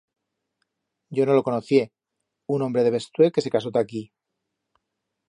Yo no lo conocié, un hombre de Bestué que se casó ta aquí.